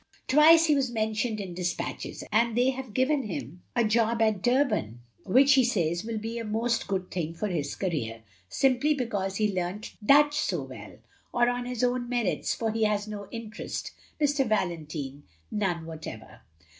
Twice he was mentioned in despatches; and they have given him a job at Durban, which he says will be a most good thing for his career, simply because he learnt Dutch so well; or on his own merits, for he has no interest, Mr. Valen tine, none whatever.